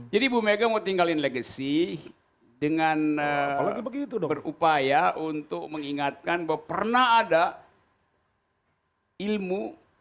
jadi ibu mega mau tinggalin legacy dengan berupaya untuk mengingatkan bahwa pernah ada ilmu